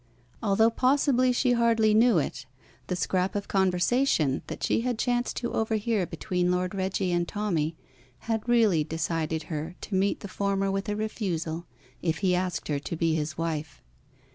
Although possibly she hardly knew it, the scrap of conversation that she had chanced to overhear between Lord Reggie and Tommy had really decided her to meet the former with a refusal if he asked her to be his wife.